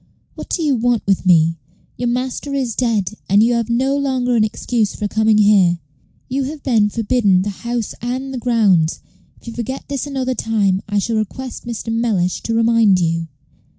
"What do you want with me? Your master is dead, and you have no longer an excuse for coming here. You have been forbidden the house and the grounds. If you forget this another time, I shall request Mr. Mellish to remind you."